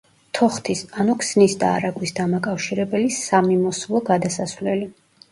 თოხთის, ანუ ქსნის და არაგვის დამაკავშირებელი სამიმოსვლო გადასასვლელი.